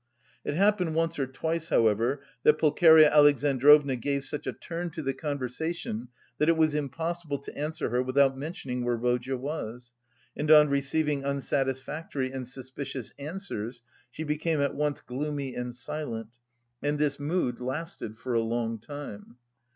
It happened once or twice, however, that Pulcheria Alexandrovna gave such a turn to the conversation that it was impossible to answer her without mentioning where Rodya was, and on receiving unsatisfactory and suspicious answers she became at once gloomy and silent, and this mood lasted for a long time.